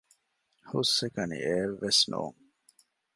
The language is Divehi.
ހުސްއެކަނި އެއެއް ވެސް ނޫން